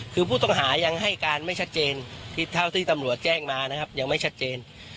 คือผู้ต้องหายังให้การไม่ชัดเจนเท่าที่ตำรวจแจ้งมานะครับยังไม่ชัดเจน